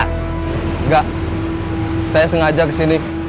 enggak saya sengaja kesini